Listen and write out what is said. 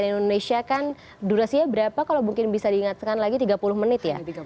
di indonesia kan durasinya berapa kalau mungkin bisa diingatkan lagi tiga puluh menit ya